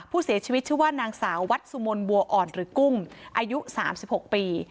ผู้เสียชีวิตชื่อว่านางสาววัดสุมนต์บัวอ่อนหรือกุ้งอายุ๓๖ปี